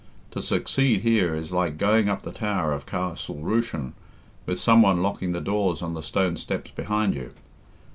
To succeed here is like going up the tower of Castle Rushen with some one locking the doors on the stone steps behind you.